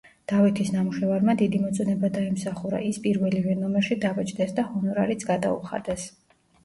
დავითის ნამუშევარმა დიდი მოწონება დაიმსახურა ის პირველივე ნომერში დაბეჭდეს და ჰონორარიც გადაუხადეს.